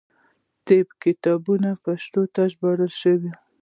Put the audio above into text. د طب کتابونه پښتو ته ژباړل شوي.